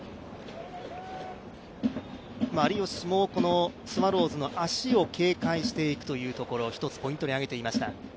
有吉もスワローズの足を警戒していくところを１つポイントに挙げていました。